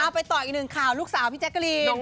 ไปต่ออีกหนึ่งข่าวลูกสาวพี่แจ๊กกะรีน